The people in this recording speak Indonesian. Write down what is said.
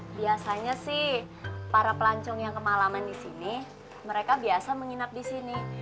biasanya sih para pelancong yang kemalaman disini mereka biasa menginap disini